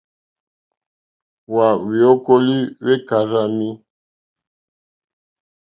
Hwa hweokoweli hwe karzami.